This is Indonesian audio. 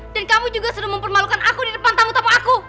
dan kamu juga sudah mempermalukan aku di depan tamu tamu aku